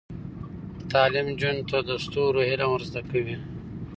تعلیم نجونو ته د ستورو علم ور زده کوي.